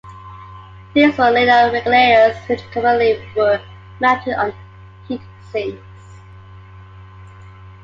These were linear regulators which commonly were mounted on heat sinks.